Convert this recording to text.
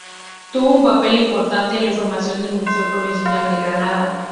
Tuvo un papel importante en la formación del Museo Provincial de Granada.